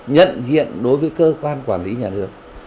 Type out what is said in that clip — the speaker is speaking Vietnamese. nhận diện đối với cơ quan quản lý nhà nước